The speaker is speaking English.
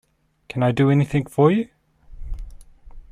Can I do any thing for you?